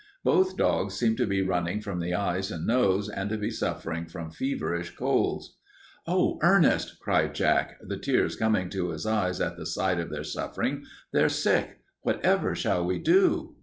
Both dogs seemed to be running from the eyes and nose and to be suffering from feverish colds. "Oh, Ernest," cried Jack, the tears coming to his eyes at the sight of their suffering, "they're sick. Whatever shall we do?"